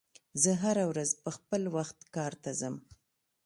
زه هره ورځ په خپل وخت کار ته ځم.